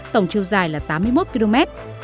tổng chiều dài là tám mươi một km